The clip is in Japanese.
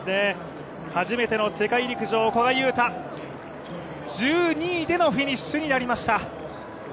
初めての世界陸上、古賀友太１２位でのフィニッシュになりました。